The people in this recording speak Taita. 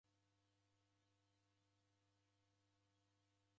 Darekodie kila kilambo.